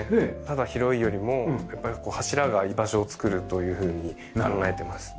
ただ広いよりもやっぱり柱が居場所をつくるというふうに考えてます。